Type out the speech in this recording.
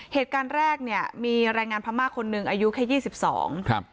เหตุการณ์แรกเนี่ยมีแรงงานพม่าคนหนึ่งอายุแค่ยี่สิบสองครับ